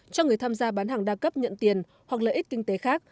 cho người tham gia bán hàng đa cấp nhận tiền hoặc lợi ích kinh tế khác